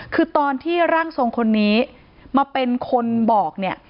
คือตอนที่ร่างทรงคนนี้มาเป็นคนบอกเนี่ย